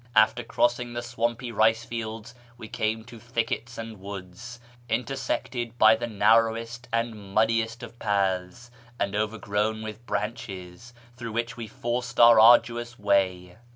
After cross ing the swampy rice fields, we came to thickets and woods, intersected by the narrowest and muddiest of paths, and over grown with branches, through which we forced our arduous way.